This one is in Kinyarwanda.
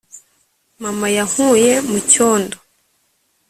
mama yankuye mu cyondo